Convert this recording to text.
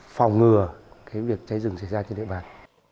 phòng ngừa cái việc cháy rừng xảy ra trên địa bàn